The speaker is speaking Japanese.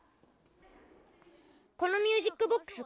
このミュージックボックス